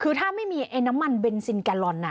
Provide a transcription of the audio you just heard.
คือถ้าไม่มีน้ำมันเบนซินกาลอนน่ะ